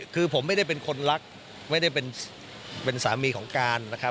คือผมไม่ได้เป็นคนรักไม่ได้เป็นสามีของการนะครับ